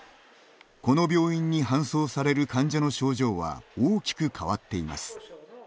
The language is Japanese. この病院に搬送される患者の症状は大きく変わっています。